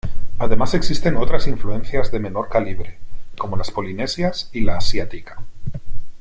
Además existen otras influencias de menor calibre como las polinesias y la asiática.